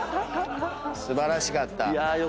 素晴らしかった。